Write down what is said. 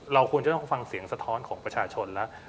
เราควรจะต้องฟังเสียงสะท้อนของประชาชนแล้ว